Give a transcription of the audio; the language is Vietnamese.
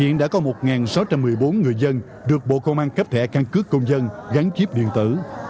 một mươi bốn người dân được bộ công an khắp thẻ căn cứ công dân gắn chip điện tử